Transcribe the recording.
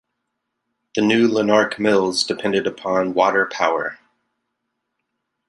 The New Lanark mills depended upon water power.